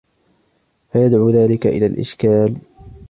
فَيَدْعُو ذَلِكَ إلَى الْإِشْكَالِ